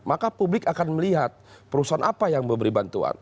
maka publik akan melihat perusahaan apa yang memberi bantuan